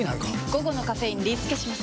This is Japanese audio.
午後のカフェインリスケします！